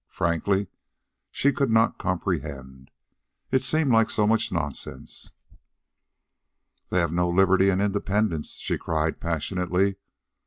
Frankly, she could not comprehend. It seemed like so much nonsense. "Then we have no liberty and independence," she cried passionately.